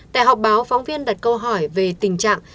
tại họp báo phóng viên đặt câu hỏi về tình trạng